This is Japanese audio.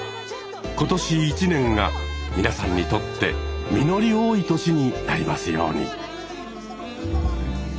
今年一年が皆さんにとって実り多い年になりますように。